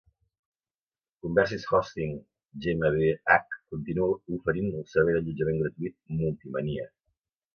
Conversis hosting GmbH continua oferint el servei d'allotjament gratuït MultiMania.